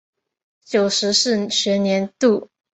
九十四学年度